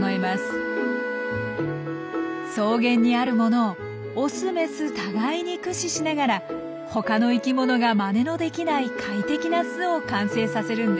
草原にあるものをオスメス互いに駆使しながらほかの生きものがまねのできない快適な巣を完成させるんです。